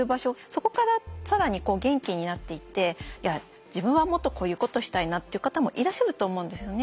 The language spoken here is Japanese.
そこから更に元気になっていっていや自分はもっとこういうことしたいなっていう方もいらっしゃると思うんですよね。